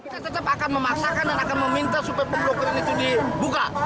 kita tetap akan memaksakan dan akan meminta supaya pemblokiran itu dibuka